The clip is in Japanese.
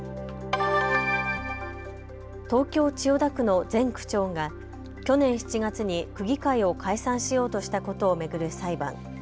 東京千代田区の前区長が去年７月に区議会を解散しようとしたことを巡る裁判。